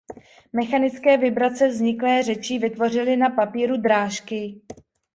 Mechanické vibrace vzniklé řečí vytvořily na papíru drážky.